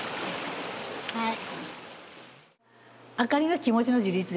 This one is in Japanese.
はい。